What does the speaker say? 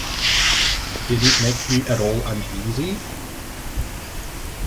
Didn't make you at all uneasy?